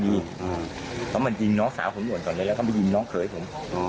ผมเรียกเหมือนดินน้องสาวผมหม่นต่อเลยแล้วก็มีน้องเขยผม